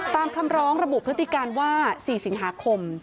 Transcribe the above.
คำร้องระบุพฤติการว่า๔สิงหาคม